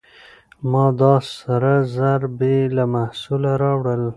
ما دا سره زر بې له محصوله راوړل.